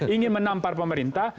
ingin menampar pemerintah